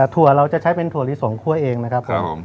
ถั่วเราจะใช้เป็นถั่วลิสงคั่วเองนะครับผม